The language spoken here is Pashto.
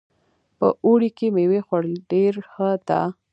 په اوړي کې میوې خوړل ډېر ښه ده